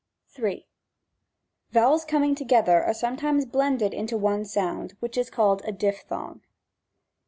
3. Vowels coming together are sometimes blended into one sound, which is called a diphthong.